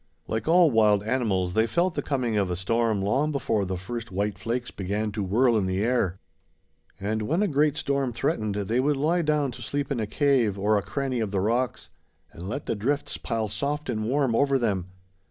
Like all wild animals, they felt the coming of a storm long before the first white flakes began to whirl in the air; and when a great storm threatened they would lie down to sleep in a cave, or a cranny of the rocks, and let the drifts pile soft and warm over them.